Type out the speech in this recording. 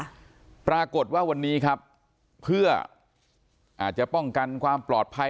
ค่ะปรากฏว่าวันนี้ครับเพื่ออาจจะป้องกันความปลอดภัย